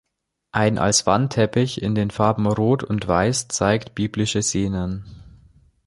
Ein als Wandteppich in den Farben Rot und Weiß zeigt biblische Szenen.